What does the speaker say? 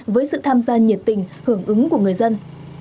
với sự tham gia nhiệt tình hưởng ứng của người dân